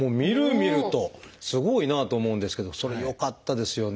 すごいなと思うんですけどそれよかったですよね。